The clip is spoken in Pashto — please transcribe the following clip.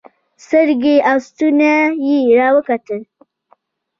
سترګې او ستونى يې راوکتل.